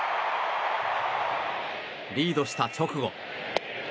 リードした直後。